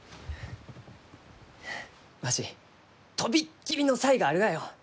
わし飛びっ切りの才があるがよ！